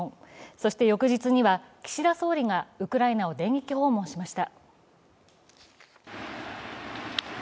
そして翌日には岸田総理がウクライナを電撃訪問しました。